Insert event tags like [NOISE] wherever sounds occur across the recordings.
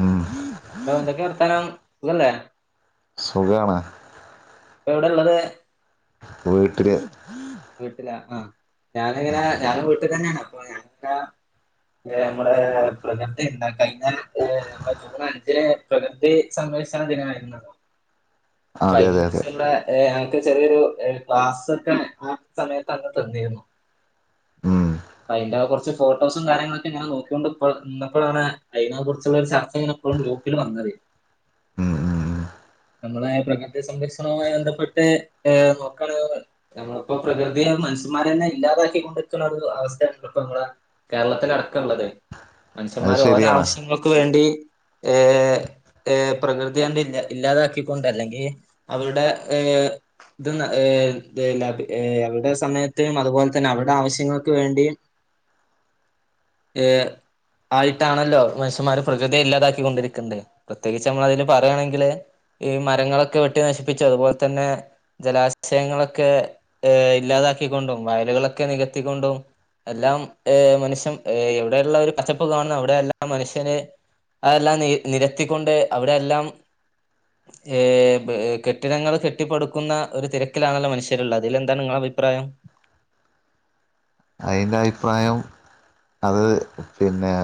ഉം അലോ എന്തൊക്കെയ വർത്താനം സുഖല്ലേ സുഖാണ് ഇപ്പൊവിടെ ഇള്ളത് വീട്ടില് വീട്ടില ആഹ് ഞാനിങ്ങന ഞനും വീട്ടിൽ തന്നെയാണ് അപ്പൊ ഞാനങ്ങ നമ്മടെ പ്രകൃതി എന്താ കഴിഞ്ഞാല നമ്മ ജൂൺ അഞ്ചന് പ്രകൃ ധി സംരക്ഷണ ദിനമായിരുന്നല്ലോ അപ്പ അതെ അതിനെ അതെ അതെ കുറിച്ച്ള്ള ഞക്ക് ചെറിയൊരു ക്ലാസ്ക്കെ സമയത്ത് അങ്ങ് തന്നിയിരുന്നു ഉം അതിന്റെ കുറച്ച് ഫോട്ടോസും കാര്യങ്ങളൊക്കെ ഇങ്ങനെ നോക്കിക്കോണ്ട് ഇപ്പോ ഇന്നപ്പോഴാണ് അയിനെ കുറിച്ചുള്ള ചർച്ച ഇങ്ങനെ ഇപ്പളും ഗ്രൂപ്പിൽ വന്നത് ഉം ഉം ഉം നമ്മളെ പ്രകൃതി സംരക്ഷണവുമായി ബന്ധപ്പെട്ട് നോക്കാണ് നമ്മളും ഇപ്പൊ പ്രകൃതിയെ മനുഷ്യമാരെ തന്നെ ഇല്ലാതാക്കിക്കൊണ്ടിക്കുള്ള ഒരു അവസ്ഥയ ഇപ്പം നമ്മടെ കേരളത്തിൽ അടക്കം ഉുള്ളത് അത് മനുഷ്യന്മാർ ഓരോ ശരിയാണ് ആവശ്യങ്ങൾക്ക് വേണ്ടി ഏർ ഏ പ്രകൃതിണ്ട് ഇല്ല ഇല്ലാതാക്കിക്കൊണ്ട് അല്ലെങ്കിൽ അവരുടെ ഏ ഇതന്ന ലാഭ അവവിടെ സമയത്തും അതുപോലെ തന്നെ അവരുടെ ആവശ്യങ്ങൾക്ക് വേണ്ടിയും ഏഹ് ആയിട്ടാണല്ലോ മനുഷ്യന്മാര് പ്രകൃതി ഇല്ലാതാക്കി കൊണ്ടിരിക്കുത്. പ്രത്യേകിച്ച് നമ്മൾ അതില് പറയുകയാണെങ്കില് ഈ മരങ്ങളൊക്കെ വെട്ടി നശിപ്പിച്ചു അതുപോലെ തന്നെ ജലാശയങ്ങളൊക്കെ ഇല്ലാതാക്കിക്കൊണ്ടും വയലുകളൊക്കെ നികത്തിക്കൊണ്ടും. എല്ലാം ഏർ മനുഷ്യൻ എവിടെയുള്ള ഒരു കച്ചപ്പ് കാണുന്നു അവിടെ എല്ലാം മനുഷ്യന് അല്ലാം നി നിരത്തിക്കൊണ്ട്. അവിടെയ എല്ലാം ഏഹ കെട്ടിടങ്ങൾ കെട്ടിപ്പടുക്കുന്ന ഒരു തിരക്കിലാണല്ലോ മനുഷ്യരുള്ളത്. അതിലെന്താണ് നിങ്ങള അഭിപ്രായം. അതിൻ്റെ അഭിപ്രായം അത് പിന്നെ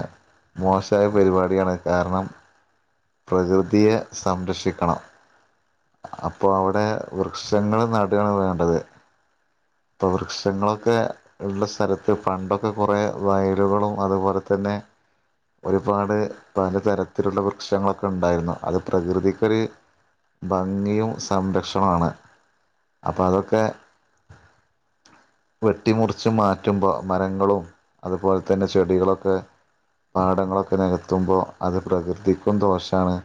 മോശമായ പരിപാടിയാണ്. കാരണം പ്രകൃതിയെ സംരക്ഷിക്കണം. അപ്പോഅവിടെ വൃക്ഷങ്ങളൾ നാടുകായണ് വേണ്ടത്. ഇപ്പൾ വൃക്ഷങ്ങളൊക്കെ ഉള്ള സ്ഥലത്ത് പണ്ടൊക്കെ കുറേ വയലുകളും അതുപോലെ തന്നെ ഒരുപാട് പല തരത്തിലുള്ള വർ- പ്രക്ഷങ്ങളൊക്കെ ഉണ്ടായിരുന്നു. അത് പ്രകൃതിക്കൊരു ഭംഗിയും സംരക്ഷണമാണ്. അപ്പൊ അതൊക്കെ [INAUDIBLE] വെട്ടിമുറിച്ച് മാറ്റുമ്പോൾ മരങ്ങളും. അതുപോലെ തന്നെ ചെടികളൊക്കെ പാടങ്ങളൊക്കെ നികത്തുമ്പോ അത് പ്രകൃതിക്കും ദോഷണ്.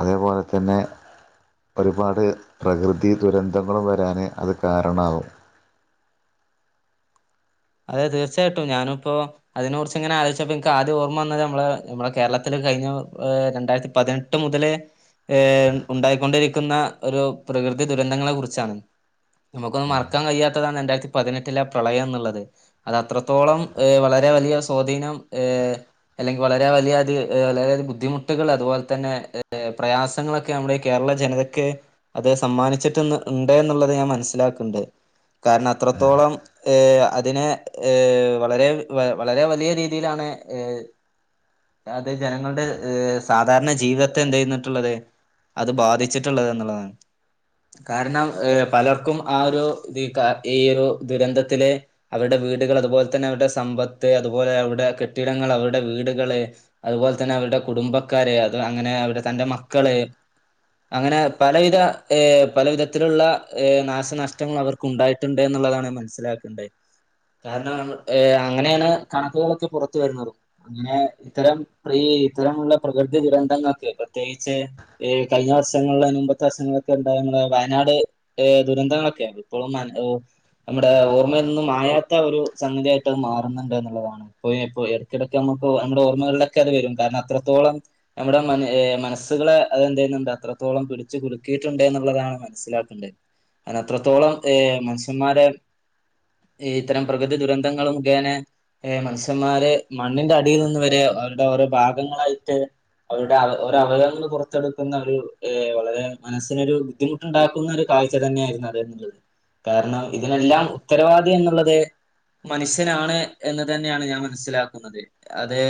അതേപോലെ തന്നെ ഒരുപാട് പ്രകൃതി ദുരന്തങ്ങളും വരാന് അത് കാരണാവും. അതെ തീർച്ചയായിട്ടും ഞാനിപ്പോ അതിനെ കുറിച്ച് എങ്ങനെ ആലോചിച്ചപ്പോ എനിക്ക് ആദ്യ ഓർമ്മ വന്നത് നമ്മള് നമ്മളെ കേരളത്തില് കഴിഞ്ഞ ഏ രണ്ടായിരത്തി പതിനെട്ട് മുതലേ ഏ ഉണ്ടായിക്കൊണ്ടിരിക്കുന്ന ഒരു പ്രകൃതി ദുരന്തങ്ങളെ കുറിച്ചാണ്. നമുക്കൊന്നന്ന് ഉം മറക്കാൻ കഴിയാത്തതാണ് രണ്ടായിരത്തി പതിനെട്ടിലെ പ്രളയം എന്നുള്ളത്. അത്ത്രത്തോളം ഏ വളരെ വലിയ സ്വാധീനം. ഏഹ അല്ലെങ്കിൽ വളരെ വലിയ അ വളരെയ ബുദ്ധിമുട്ടൾ അതുപോലെ തന്നെ പ്രയാസങ്ങളൊക്കെ. ക്ക്‌ നമ്മുടെ കേരള ജനതക്ക് അത് സമ്മാനിച്ചിട്ട് ഉണ്ട് എന്നുള്ളത് ഞാൻ മനസ്സിലാക്ണ്ട്. കാരണം അത്രത്തോളം ഏഹ അതിനെ ഏഹ വളരെ വളരെ വലിയ രീതിയിലാണ്. ഏ അതെ ജനങ്ങളുടെ സാധാരണ ജീവിതത്തെ എന്ത് ചെയ്യന്നിട്ടുള്ളത്. അത് ബാധിച്ചിട്ടള്ളത് എന്ന്ള്ളതാണ്. കാരണം പലർക്കും ആ ഒരു ഈ ഒരു ദുരന്തത്തിലെ. അവരുടെ വീടുകൾ അതുപോലെ തന്നെ അവരുടെ സമ്പത്ത്. അതുപോലെ അവരുടെ കെട്ടിടങ്ങൾ അവരുടെ വീടുകള്. അതുപോലെ തന്നെ അവരുടെ കുടുംബക്കാര്. അത് അങ്ങനെ അവരുടെ തന്റെ മക്കള്. അങ്ങനെ പലവിധ ഏഹ് പലവിധത്തിലുള്ള ഏഹ് നാശനഷ്ടങ്ങൾ അവർ ഉണ്ടായിട്ടുണ്ട്ന്ന്ള്ളതാണ്. ഞാൻ മനസ്സിലാക്കേണ്ടത്. കാരണം ഏ അങ്ങനെയാണ് കണക്കുകളൊക്കെ പുറത്ത വരുന്നതും. അങ്ങനെ ഇത്തരം പ്രീ ഇത്തരമുള്ള പ്രകൃതി ദുരന്തങ്ങൾക്ക് പ്രത്യേകിച്ച്. കഴിഞ്ഞ വർഷങ്ങളിൽ മുൻപത്തെ വർഷങ്ങളിലൊക്കെ ഉണ്ടയാ നമ്മളെ വയനാട്. ഏഹ് ദുരന്തങ്ങളൊക്കെയ ഇപ്പോഴും നമ്മുടെ ഓർമ്മ ന്നും മായാത്ത ഒരു സംഗതിയായിട്ട് അത് മാറുന്നുണ്ട് എന്നുള്ളതാണ്. പോയെ പോയെ ഇടക്കിടക്ക് നമ്മു നമ്മുടെ ഓർമ്മകളിലൊക്കെ അത് വരും കാരണം അത്രത്തോളം. നമ്മുടെ മ മനസ്സക്കളെ അത് എന്ത് ചെയ്യുന്നുണ്ട് അത്രത്തോളം പിടിച്ചു കുലുക്കിട്ടുണ്ട് എന്നുള്ളതാണ്. മനസ്സിലാക്കണ്ട് അ അത്രത്തോളം എ മനുഷ്യന്മാരെ. ഈത്തെരം പ്രകൃതി ദുരെന്തങ്ങള് മുഖേനെ ഏഹ് മൻഷന്മാര് മണ്ണിന്റെ അടിയിൽ നിന്ന് വെരേ അവര്ടെ ഓരോ ഭാഗങ്ങളായിട്ട് അവരുടെ അവ ഒരവയവങ്ങൾ പൊറെത്തെട്ക്കുന്ന ഒരു വളരെ മനസ്സിനൊരു ബുദ്ധിമുട്ട്ണ്ടാക്കുന്ന ഒരു കാഴ്ച തന്നെയായിര്ന്നത്‌ന്ന്ള്ളെത് കാര്ണം ഇതിനെല്ലാം ഉത്തരവാദി എന്ന്ള്ളെത് മനുഷ്യനാണ് എന്ന് തന്നെയാണ് ഞാൻ മനസ്സിലാക്കുന്നത് അത്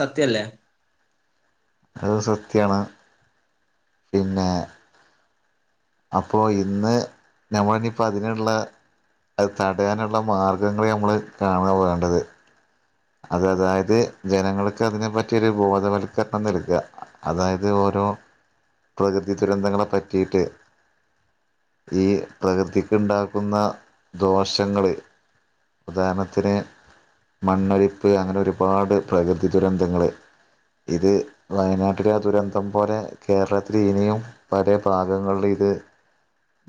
സത്യല്ലേ അത് സത്യാണ് പിന്നേ അപ്പോ ഇന്ന് ഞമ്മള്നിപ്പൊ അതിന്ള്ളെ അത് തടയാന്ള്ള മാർഗ്ഗങ്ങള് ഞമ്മള് കാണാ വേണ്ടെത് അതെ അതായെത് ജനങ്ങൾക്ക് അതിനെ പറ്റിയാെരു ബോധവൽക്കര്ണം നൽക അതായത് ഓരോ പ്രകൃതി ദുരെന്തെങ്ങെളെ പറ്റീട്ട് ഈ പ്രകൃതിക്ക്ണ്ടാക്കുന്ന ദോഷങ്ങള് ഉദാര്ണത്തിന് മണ്ണൊലി പ്പ് അങ്ങെനെ ഒരുപാട് പ്രകൃതി ദുരെന്തെങ്ങള് ഇത് വയനാട്ടിലെ ആ ദുരന്തം പോലെ കേരളത്തില് ഇനിയും പലേ ഭാഗെങ്ങൾല് ഇത്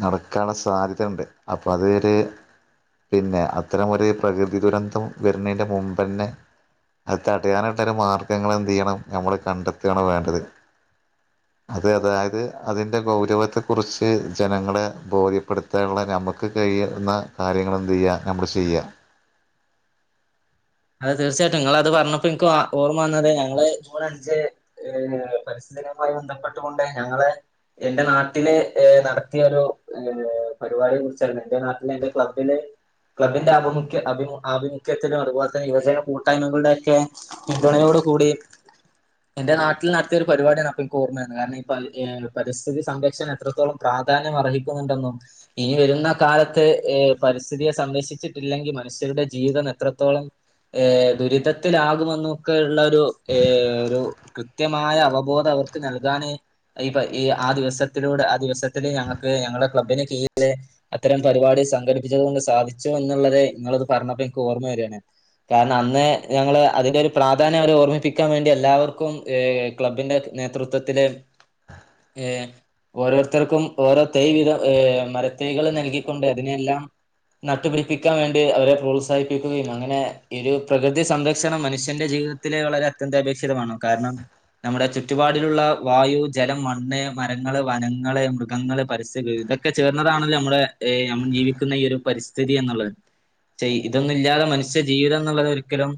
നടക്കാൻള്ള സാധ്യതണ്ട് അപ്പ അതെര് പിന്നെ അത്തരം ഒര് പ്രകൃതി ദുരന്തം വെര്ണേന്റെ മുമ്പെന്നെ അത് തടയാന്ള്ളാെര് മാർഗ്ഗങ്ങളെന്തെയ്യെണം ഞമ്മള് കണ്ടെത്ത്കാണ് വേണ്ടെത് അതെ അതായത് അതിൻ്റെ ഗൗരവത്തെ കുറിച്ച് ജനങ്ങളെ ബോധ്യപ്പെട് താൻള്ളെ ഞമ്മെക്ക് കയ്യെത്ത്ന്ന കാര്യങ്ങളെന്തെയ്യാ ഞമ്മെള് ചെയ്യാ അത് തീർച്ചയായ്ട്ടും ഇങ്ങെളത് പർഞ്ഞപ്പോ ഇൻക്ക് ഓർമ്മ വെന്നത് ഞങ്ങള് ജൂണ അഞ്ച് ഏഹ് പരിസ്ഥിതി ദിനമായി ബെന്ധപ്പെട്ടു കൊണ്ട് ഞങ്ങള് എന്റെ നാട്ടില് ഏഹ് നടത്തിയാെരു ഏഹ് പരിപാടിയെ കുറിച്ചാണ് എന്റെ നാട്ടില് എന്റെ ക്ലബ്ബില് ക്ലബ്ബിന്റെ ആഭിമുക്യ അഭിമു ആഭിമുഖ്യത്തിലും അത്പോൽ തനെ യുവജന കൂട്ടായ്മകള്ടെ ഒക്കെ പിന്തുണയോട് കൂടി എൻ്റെ നാട്ടിൽ നട്ത്ത്യ ഒര് പരിപാട്യാണ് അപ്പം ഇൻക്ക് ഓർമ്മെര്ണെ കാര്ണം ഈ പരി ഏഹ് പരിസ്ഥിതി സംരക്ഷണം എത്രത്തോളം പ്രാധാന്യം അർഹിക്കുന്നുണ്ടെന്നും ഇനി വെരുന്ന കാലത്ത് ഏഹ് പരിസ്ഥിതിയെ സംരക്ഷിച്ചിട്ടില്ലെങ്കി മനുഷ്യരുടെ ജീവിതം എത്രെത്തോളം ഏഹ് ദുരിതത്തിലാകുമെന്നൊക്കെള്ളെരു ഏഹ് രു കൃത്യമായ അവബോധം അവർക്ക് നൽകാന് ഈപ്പ ഈ ആ ദിവസത്തിലൂടെ ആ ദിവസത്തില് ഞങ്ങക്ക് ഞങ്ങളെ ക്ലബ്ബിന് കീഴില് അത്തരം പരിപാടി സംഘടിപ്പിച്ചത് കൊണ്ട് സാധിച്ചു എന്ന്ള്ളെത് ഇങ്ങളത് പർഞ്ഞപ്പം ഇൻക്കാേർമ്മ വെരാണ് കാരണം അന്ന് ഞങ്ങള് അതിന്റെ ഒരു പ്രാധാന്യം അവരെ ഓർമ്മിപ്പിക്കാം വേണ്ടി എല്ലാവർക്കും ഏഹ് ക്ലബ്ബിന്റെ നേതൃത്വത്തില് ഏഹ് ഓരോര്ത്തർക്കും ഓരോ തൈ വീതം ഏഹ് മരതൈകെള് നൽകിക്കൊണ്ട് അതിനെയെല്ലാം നട്ടു പിടിപ്പിക്കാം വേണ്ടി അവ െരെ പ്രോത്സാഹിപ്പിക്കുകയും അങ്ങെ നെ ഈ ഒരു പ്രകൃതി സംരക്ഷണം മനുഷ്യന്റെ ജീവിതത്തിലെ വളെരെ അത്യന്താപേക്ഷിതമാണ് കാര്ണം നമ്മുടെ ചുറ്റുപാടിലുള്ള വായു ജലം മണ്ണ് മരങ്ങള് വനങ്ങള് മൃഗങ്ങള് പരസ്യ വിവിത ക്കെ ചേർന്നതാണല്ലോ ഞമ്മെളെ ഏഹ് നമ്മൾ ജീവിക്കുന്ന ഈ ഒരു പരിസ്ഥിതി എന്ന്ള്ളെത് ചെയ് ഇതൊന്നും ഇല്ലാതെ മനുഷ്യ ജീവിതം ന്ന്ള്ളെതൊരിക്കെലും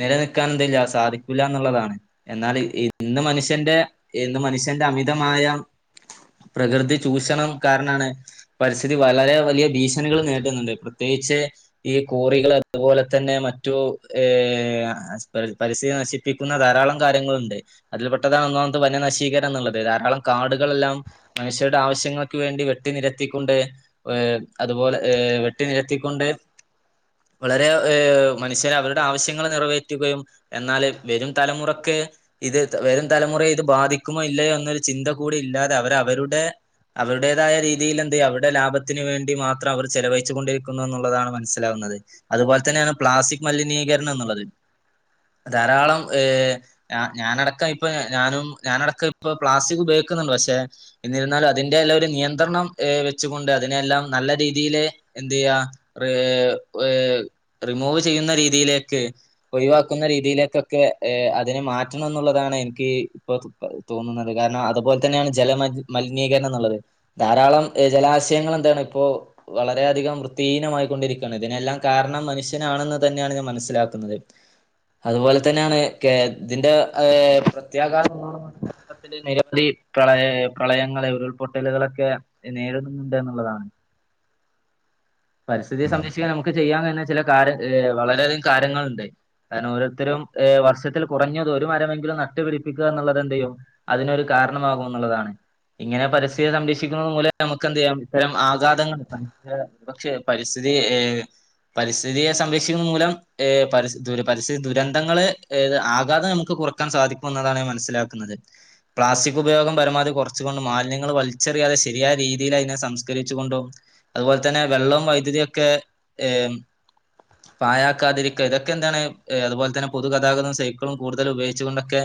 നിലനിക്കാൻ ന്ത്ല്ലാ സാധിക്കൂലാ ന്ന്ള്ളതാണ് എന്നാല് ഇന്ന് മനുഷ്യന്റെ ഇന്ന് മനുഷ്യന്റെ അമിതമായ പ്രകൃതി ചൂഷണം കാര്ണാണ് പരിസ്ഥിതി വളെരെ വലിയ ഭീഷണികള് നേരിട്ന്ന്ണ്ട് പ്രത്യേകിച്ച് ഈ കോറികള് അതുപോലെ തന്നെ മറ്റു ഏഹ് പരി പരിസ്ഥിതി നശിപ്പിക്കുന്ന ധാരാളം കാര്യങ്ങളുണ്ട് അതിൽ പെട്ടതാണ് ഒന്നാമത് വന നശീകരംന്ന്ള്ളെത് ധാരാളം കാട്കളെല്ലാം മനുഷ്യരുടെ ആവശ്യങ്ങൾക്ക് വേണ്ടി വെട്ടിനിരത്തിക്കൊണ്ട് ഏഹ് അതുപോലെ ഏഹ് വെട്ടിനിരത്തിക്കൊണ്ട് വളെരേ ഏഹ് മനുഷ്യരെ അവരുടെ ആവശ്യങ്ങൾ നിറവേറ്റുകയും എന്നാല് വരും തലമുറക്ക് ഇത് വരും തലമുറയെ ഇത് ബാധിക്കുമോ ഇല്ലയോ എന്നൊരു ചിന്ത കൂടി ഇല്ലാതെ അവരവരുടെ അവരുടേതായ രീതിയിൽ എന്ത് അവരുടെ ലാഭത്തിന് വേണ്ടി മാത്രം അവർ ചെലവഴിച്ചു കൊണ്ടിരിക്കുന്നു എന്നുള്ളതാണ് മനസ്സിലാകുന്നത്. അതുപോലെ തന്നെയാണ് പ്ലാസ്റ്റിക് മലിനീകരണം എന്നുള്ളത് ധാരാളം ഏഹ് ഞാ ഞാനടക്കം ഇപ്പൊ ഞാനും ഞാനടക്കം ഇപ്പൊ പ്ലാസ്റ്റിക് ഉപയോഗിക്കുന്നുണ്ട് പക്ഷെ എന്നിരുന്നാലും അതിന്റെ എല്ലാം ഒരു നിയന്ത്രണം ഏഹ് വെച്ചുകൊണ്ട് അതിനെല്ലാം നല്ല രീതിയിലെ എന്തിയ്യ ഏഹ് ഏഹ് റിമൂവ് ചെയ്യുന്ന രീതിയിലേക്ക് ഒഴിവാക്കുന്ന രീതിയിലേക്കൊക്കെ ഏഹ് അതിനെ മാറ്റണം എന്നുള്ളതാണ് എനിക്ക് ഇപ്പൊ തോന്നുന്നത് കാരണം അതുപോലെ തന്നെയാണ് ജല മജ് മലിനീകരണന്നുള്ളത്. ധാരാളം ഏഹ് ജലാശയങ്ങൾ എന്താണ് ഇപ്പോ വളരെയധികം വൃത്തിഹീനമായിക്കൊണ്ടിരിക്കാണ് ഇതിനെല്ലാം കാരണം മനുഷ്യനാണെന്ന് തന്നെയാണ് ഞാൻ മനസ്സിലാക്കുന്നത്. അതുപോലെ തന്നെയാണ് കെ ഇതിന്റെ ഏഹ് പ്രത്യാഘാതം [UNINTELLIGIBLE] [UNINTELLIGIBLE] നിരവധി പ്രളയ പ്രളയങ്ങളെ ഉരുൾപൊട്ടലുകളൊക്കെ നേരിടുന്നുണ്ട് എന്നുള്ളതാണ്. പരിസ്ഥിയെ സംരക്ഷിക്കാൻ നമുക്ക് ചെയ്യാൻ തന്നെ ചെല കാര്യ ഏഹ് വളരെയധികം കാര്യങ്ങളുണ്ട്. കാരണം ഓരോരുത്തരും ഏഹ് വർഷത്തിൽ കുറഞ്ഞത് ഒരു മരമെങ്കിലും നട്ടുപിടിപ്പിക്കുക എന്നുള്ളത് എന്തിയ്യും അതിനൊരു കാരണമാകുമെന്നുള്ളതാണ്. ഇങ്ങനെ പരിസ്ഥിതി സംരക്ഷിക്കുന്നത് മൂലം നമുക്ക് എന്ത് ചെയ്യാം ഇത്തരം ആഘാതങ്ങൾ [UNINTELLIGIBLE] പക്ഷെ പരിസ്ഥിതി ഏഹ് പരിസ്ഥിതിയെ സംരക്ഷിക്കുന്ന മൂലം ഏഹ് പരിസ് ദുര പരിസ്ഥി ദുരന്തങ്ങള് ഏഹ് ആകാതം നമുക്ക് കുറ ക്കാൻ സാധിക്കും എന്നതാണ് മനസ്സിലാക്കുന്നത്. പ്ലാസ്റ്റിക് ഉപയോഗം പരമാവധി കൊറച്ചു കൊണ്ട് മാലിന്യങ്ങൾ വലിച്ചെറിയാതെ ശരിയായ രീതിയിൽ അതിനെ സംസ്കരിച്ചുകൊണ്ടും അതുപോലെ തന്നെ വെള്ളവും വൈദ്യുതി ഒക്കെ ഏഹ് പായാക്കാതിരിക്കുക ഇതൊക്കെ എന്താണ് അതുപോലെ തന്നെ പൊതുഗതാഗതവും സൈക്കളും കൂടുതല ഉപയോഗിച്ചു കൊണ്ടൊക്കെ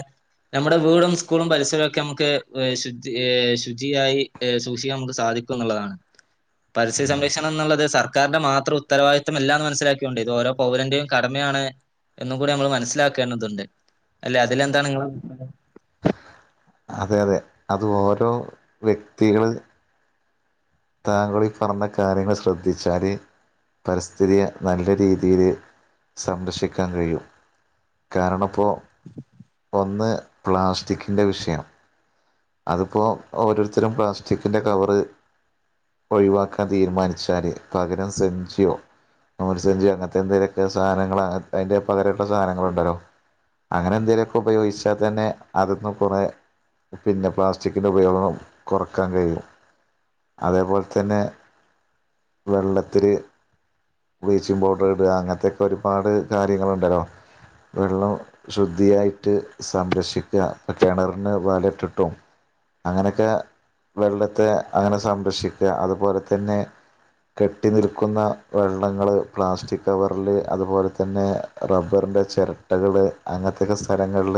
നമ്മുടെ വീടും സ്കൂളും പരിസരവും ഒക്കെ നമുക്ക് ശുദ്ധി ശുചിയായി സൂക്ഷിക്കാൻ നമുക്ക് സാധിക്കും എന്നുള്ളതാണ് പരിസ്ഥിതി സംരക്ഷണം എന്നുള്ളത് സർക്കാരിന്റെ മാത്രം ഉത്തരവാദിത്മല്ല എന്ന് മനസാക്കിയൊണ്ട് ഇത് ഓരോ പൗരന്റെയും കടമയാണ് എന്ന് കൂടി നമ്മൾ മനസ്സിലാക്കേണ്ടതുണ്ട് അല്ലെ അതിലെന്താണ് നിങ്ങള അതെ അതെ അത് ഓരോ വ്യക്തികൾ താങ്കൾ ഈ പറഞ്ഞ കാര്യങ്ങൾ ശ്രദ്ധിച്ചാൽ പരിസ്ഥിതിയെ നല്ല രീതിയിൽ സംരക്ഷിക്കാൻ കഴിയും. കാരണം ഇപ്പോ ഒന്ന് പ്ലാസ്റ്റിക്കിൻ്റെ വിഷയം അതിപ്പോൾ ഓരോരുത്തരും പ്ലാസ്റ്റിക്കിൻ്റെ കവറ് ഒഴിവാക്കാൻ തീരുമാനിച്ചാൽ പകരം സഞ്ചിയോ മോൻ സഞ്ചു അങ്ങനത്തെ എന്തെങ്കലുമൊക്കെ സാധനങ്ങ അതിന്റെ പകരള്ള സാധനങ്ങളണ്ടല്ലോ? അങ്ങനെ എന്തേലുമൊക്കെ ഉപയോഗിച്ചാ തന്നെ അതൊന്നന്ന് കുറ പിന്നെ പ്ലാസ്റ്റിക്കിൻ്റെ ഉപയോഗ കുറക്കാൻ കഴിയും. അതേപോലെ തന്നെ വെള്ളത്തിൽ ബ്ലീച്ചിങ് പൗഡർ ഇടുക അങ്ങനത്തെയൊക്കെ ഒരുപാട് കാര്യങ്ങളുണ്ടല്ലോ വെള്ളം ശുദ്ധിയായിട്ട് സംരക്ഷിക്കുക പ്പ കിണറിന് വാലറ്റ്ട്ടും അങ്ങനെയൊക്കെ വെള്ളത്തെ അങ്ങനെ സംരക്ഷിക്കുക അതുപോലെ തന്നെ കെട്ടി നിൽക്കുന്ന വെള്ളങ്ങൾ പ്ലാസ്റ്റിക് കവറിൽ അതുപോലെ തന്നെ റബ്ബറിൻ്റെ ചിരട്ടകൾ അങ്ങനത്തൊക്കെ സ്ഥലങ്ങളിൽ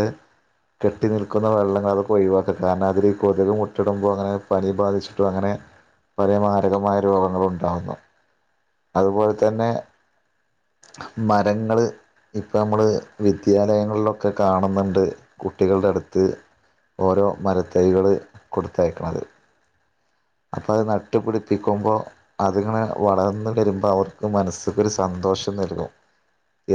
കെട്ടി നിൽക്കുന്ന വെള്ളങ്ങൾ അതൊക്കെ ഒഴിവാക്ക കാരണം അതിൽ കൊതുക് മുട്ട ഇടുമ്പോൾ അങ്ങനെ പനി ബാധിച്ച് ട്ടും അങ്ങനെ പല മാരകമായ രോഗങ്ങള ഉണ്ടാകുന്നു. അതുപോലെ തന്നെ മരങ്ങള് ഇപ്പം നമ്മൾ വിദ്യാലയങ്ങളിലൊക്കെ കാണുന്നുണ്ട് കുട്ടികളുടെ അടുത്ത് ഓരോ മര തൈകൾ കൊടുത്തയക്കണത്. അപ്പോ അത് നട്ടു പിടിപ്പിക്കുമ്പോ അതിങ്ങനെ വളർന്ന് വരുമ്പോ അവർക്ക് മനസ്സക്കൊരു സന്തോഷം നൽകും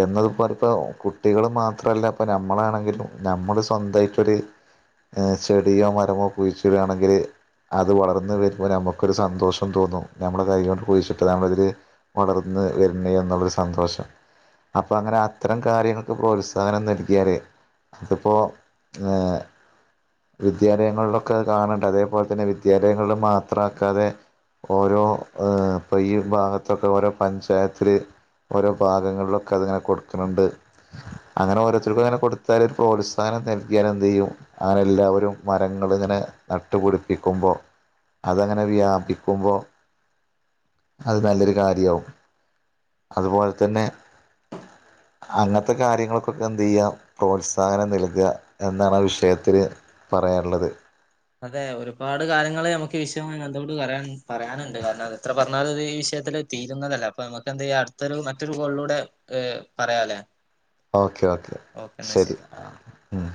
എന്നത് ഇപ്പോ അടുത്ത കുട്ടികൾ മാത്രല്ല ഇപ്പോ ഞമ്മളാണെങ്കിലും ഞമ്മൾ സ്വന്തായിട്ടൊര് ചെടിയോ മരമോ കുഴിച്ച്ടാണെങ്കിൽ അത് വളർന്ന് ന്ന് വരുമ്പോ നമുക്കൊര് സന്തോഷം തോന്നും ഞമ്മൾ കൈ കൊണ്ട് കുയിച്ചിട്ടാന്നൊര് വളർന്ന് വര്ന്ന് എന്നുള്ള ഒരു സന്തോഷം അപ്പ അങ്ങനെ അത്തരം കാര്യങ്ങൾക്ക് പ്രോത്സാഹനം നൽകിയാൽ ഇതിപ്പോ ഏഹ് വിദ്യാലയങ്ങളിലൊക്കെ കാണണ്ട് അതേപോലെ തന്നെ വിദ്യാലയങ്ങളിൽ മാത്രക്കാതെ ഓരോ ഏഹ് ഇപ്പൊ ഈ ഭാഗത്തൊക്കെ ഓരോ പഞ്ചായത്തിൽ ഓരോ ഭാഗങ്ങളിലൊക്കെ അതിങ്ങനെ കൊടുക്ക്ണണ്ട് അങ്ങനെ ഓരോത്തർക്കും അങ്ങനെ കൊടുത്താൽ ഒരു പ്രോത്സാഹനം നൽകിയാല് എന്ത് ചെയ്യും അങ്ങനെ എല്ലാവരും മരങ്ങള് ഇങ്ങനെ നട്ടു പിടിപ്പിക്കുമ്പോ അത് അങ്ങനെ വ്യാപിക്കുമ്പോ അത് നല്ലൊരു കാര്യാവും അതുപോലെ തന്നെ അങ്ങത്തെ കാര്യങ്ങൾക്കൊക്കെ എന്തെയ്യാം പ്രോത്സാഹനം നൽക എന്നാണ് ആ വിഷയത്തിൽ പറയാൻ ഇള്ളത് അതെ ഒരുപാട് കാര്യങ്ങള് നമുക്ക് ഈ വിഷയം ആയി ബന്ധപ്പെട്ട് പറയാൻ പറയാന്ണ്ട് കാരണം അത് എത്ര പറഞ്ഞാലും അത് ഈ വിഷയത്തില് തീരുന്നതല്ല അപ്പൊ നമുക്ക് എന്ത് ചെയ്യാ അടുത്തൊരു മറ്റൊരു കോളിലൂടെ പറയാംലെ ഓക്കെ ഓക്കെ ശരി ആഹ് ഉം